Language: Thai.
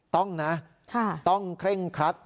ต้องนะต้องเคร่งครัด